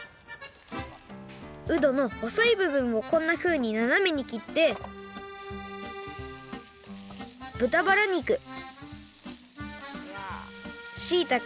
うどのほそいぶぶんをこんなふうにななめにきってぶたばら肉しいたけ